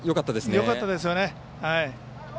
よかったですよね。